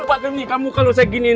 pak demi kamu kalau saya giniin